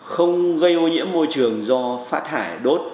không gây ô nhiễm môi trường do phát thải đốt